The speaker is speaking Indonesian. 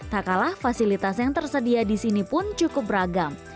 tak kalah fasilitas yang tersedia di sini pun cukup beragam